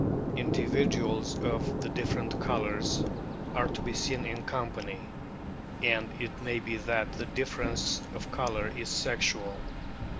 Individuals of the different colours are to be seen in company, and it may be that the difference of colour is sexual.